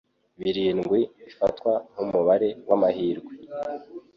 Birindwi bifatwa nkumubare wamahirwe.